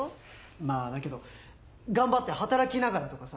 まぁだけど頑張って働きながらとかさ。